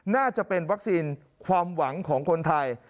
น่าจะเป็นวัคซีนความหวังของคนไทย